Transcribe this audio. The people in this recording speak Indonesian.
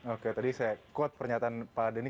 oke tadi saya quote pernyataan pak denny